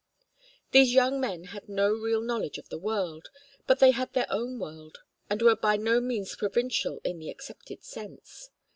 These young men had no real knowledge of the world, but they had their own world, and were by no means provincial in the accepted sense.